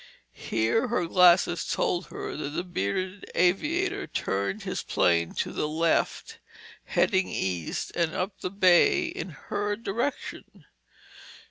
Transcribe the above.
Here her glasses told her that the bearded aviator turned his plane to the left, heading east and up the bay in her direction.